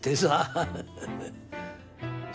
ハハハハ。